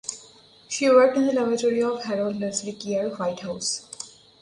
She worked in the laboratory of Harold Leslie Keer Whitehouse.